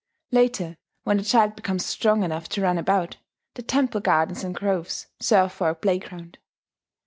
Later, when the child becomes strong enough to run about, the temple gardens and groves serve for a playground.